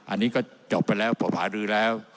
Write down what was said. อันนี้ก็จบไปแล้วผมหารือแล้ว